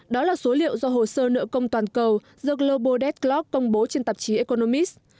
đó là số liệu do hồ sơ nợ công toàn cầu the global debt clock công bố trên tạp chí economist